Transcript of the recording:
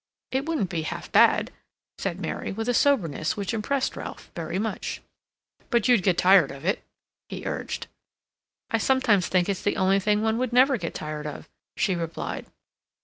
It wouldn't be half bad," said Mary, with a soberness which impressed Ralph very much. "But you'd get tired of it," he urged. "I sometimes think it's the only thing one would never get tired of," she replied.